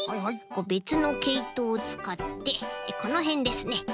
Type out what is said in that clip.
べつのけいとをつかってこのへんですね